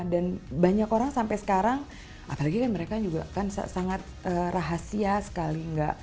banyak orang sampai sekarang apalagi kan mereka juga kan sangat rahasia sekali